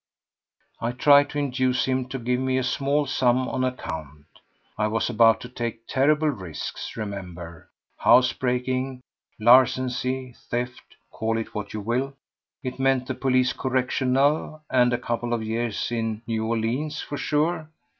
I tried to induce him to give me a small sum on account. I was about to take terrible risks, remember; housebreaking, larceny, theft—call it what you will, it meant the police correctionelle and a couple of years in New Orleans for sure.